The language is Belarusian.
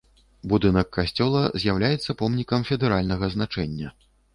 Будынак касцёла з'яўляецца помнікам федэральнага значэння.